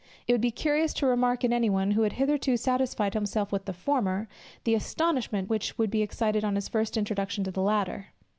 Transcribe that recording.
it would be curious to remark in any one, who had hitherto satisfied himself with the former, the astonishment which would be excited on his first introduction to the latter.